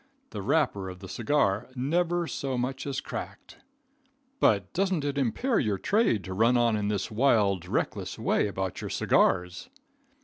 The wrapper of the cigar never so much as cracked." "But doesn't it impair your trade to run on in this wild, reckless way about your cigars?"